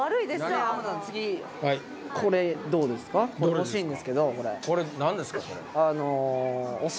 欲しいんですけどこれ。